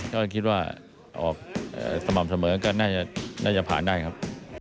ก็คิดว่าออกสม่ำเสมอก็น่าจะผ่านได้ครับ